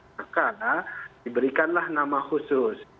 maka diberikanlah nama khusus